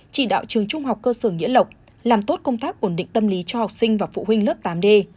chỉ đạo trường trung học cơ sở nghĩa lộc làm tốt công tác ổn định tâm lý cho học sinh và phụ huynh lớp tám d